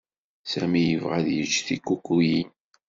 Sami yebɣa ad yečč tikukiyin.